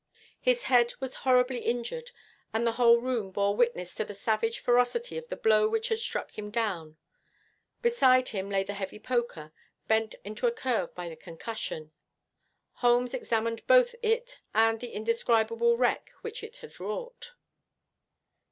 His head was horribly injured, and the whole room bore witness to the savage ferocity of the blow which had struck him down. Beside him lay the heavy poker, bent into a curve by the concussion. Holmes examined both it and the indescribable wreck which it had wrought.